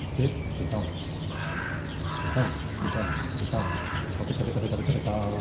ペタンペタンペタンペタペタペタペタペタ！